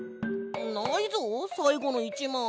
ないぞさいごの１まい。